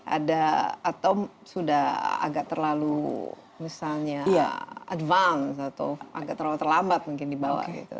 ada atau sudah agak terlalu misalnya advance atau agak terlalu terlambat mungkin dibawa gitu